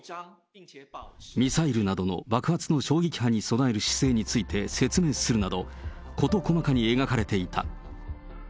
ミサイルなどの爆発の衝撃波に備える姿勢について説明するなど、こと細かに描かれていた。